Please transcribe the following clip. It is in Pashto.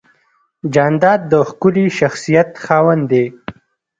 جانداد د ښکلي شخصیت خاوند دی.